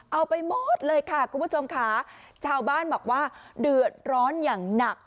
เอาไปหมดเลยค่ะคุณผู้ชมค่ะชาวบ้านบอกว่าเดือดร้อนอย่างหนัก